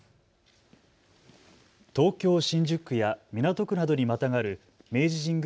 東京新宿区や港区などにまたがる明治神宮